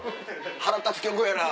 腹立つ曲やな。